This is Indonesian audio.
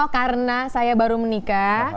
karena saya baru menikah